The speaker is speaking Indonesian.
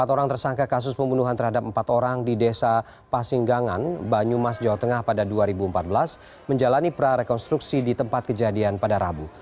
empat orang tersangka kasus pembunuhan terhadap empat orang di desa pasinggangan banyumas jawa tengah pada dua ribu empat belas menjalani prarekonstruksi di tempat kejadian pada rabu